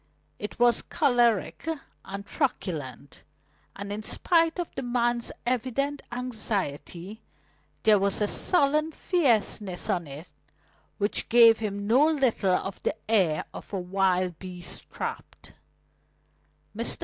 It was choleric and truculent, and in spite of the man's evident anxiety, there was a sullen fierceness on it which gave him no little of the air of a wild beast trapped. Mr.